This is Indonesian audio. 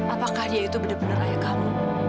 apakah dia itu benar benar ayah kamu